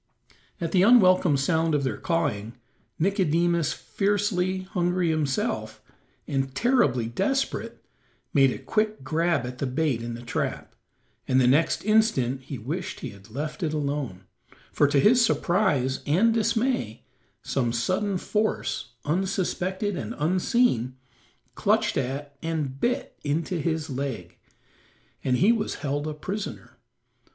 At the unwelcome sound of their cawing, Nicodemus, fiercely hungry himself, and terribly desperate, made a quick grab at the bait in the trap, and the next instant he wished he had left it alone, for to his surprise and dismay some sudden force, unsuspected and unseen, clutched at, and bit into his leg, and he was held a prisoner.